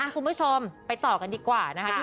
คุณผู้ชมไปต่อกันดีกว่านะคะ